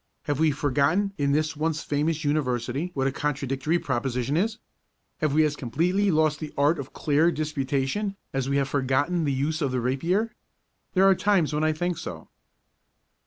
Have we forgotten in this once famous University what a contradictory proposition is? Have we as completely lost the art of clear disputation as we have forgotten the use of the rapier? There are times when I think so.